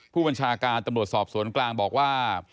ผู้บัญชาการตำรวจสอบสวนกลางบอกว่า